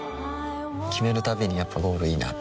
決めるたびにやっぱゴールいいなってふん